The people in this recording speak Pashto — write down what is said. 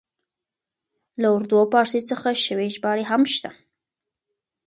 له اردو او پاړسي څخه شوې ژباړې هم شته.